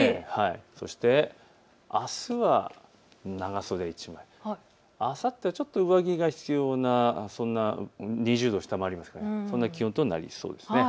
そして、あすは長袖１枚、あさってはちょっと上着が必要な、２０度を下回りますからそんな気温となりそうです。